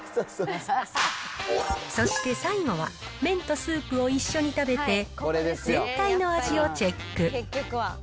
そして最後は麺とスープを一緒に食べて、全体の味をチェック。